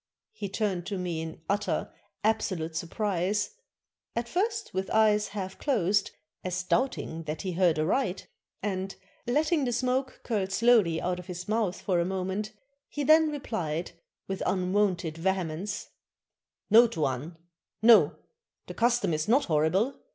He turned to me in utter, absolute sur prise, at first with eyes half closed, as doubting that he heard aright, and letting the smoke curl slowly out of his mouth for a moment, he then replied, with un wonted vehemence: "No, Tuan! No! the custom is not horrible.